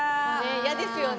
嫌ですよね。